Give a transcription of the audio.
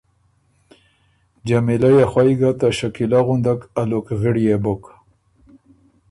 جمیلۀ يې خوئ ګۀ ته شکیلۀ غُندک الُکغِړيې بُک۔